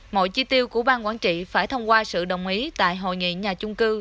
mọi chi tiêu của bang quản trị phải thông qua sự đồng ý tại hội nghị nhà chung cư